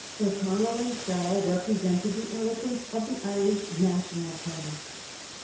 O'Connell and Sheil represented the eloquence of the Irish national party.